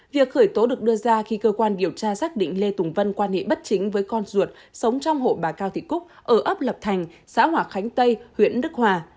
việc khởi tố được đưa ra khi cơ quan điều tra xác định lê tùng vân quan hệ bất chính với con ruột sống trong hộ bà cao thị cúc ở ấp lập thành xã hòa khánh tây huyện đức hòa